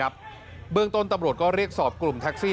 เบื้องต้นตำรวจก็เรียกสอบกลุ่มแท็กซี่